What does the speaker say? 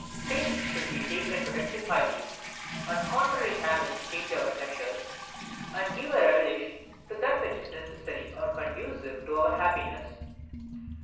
Pains should be taken to rectify these; and contrary habits change our pleasures, and give a relish to that which is necessary or conducive to our happiness.